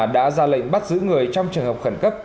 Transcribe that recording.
đã ra lệnh bắt giữ người trong trường hợp khẩn cấp